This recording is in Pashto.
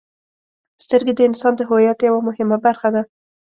• سترګې د انسان د هویت یوه مهمه برخه ده.